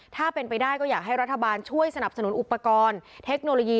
ถ้าเป็นไปได้ก็อยากให้รัฐบาลช่วยสนับสนุนอุปกรณ์เทคโนโลยี